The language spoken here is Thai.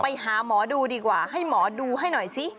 ไปหาหมอดูดีกว่าให้หมอดูให้หน่อยสิ